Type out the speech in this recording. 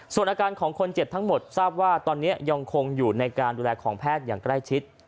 ส่วนอาการของคนเจ็บทั้งหมดทราบว่าตอนนี้ยังคงอยู่ในการดูแลของแพทย์อย่างใกล้ชิด